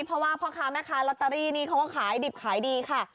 เพราะว่าพ่อค้าแม่ค้าลอตเตอรี่นี่เขาก็ขายดิบขายดีค่ะ